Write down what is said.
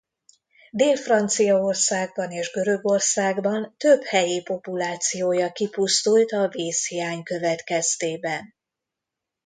Dél-Franciaországban és Görögországban több helyi populációja kipusztult a vízhiány következtében.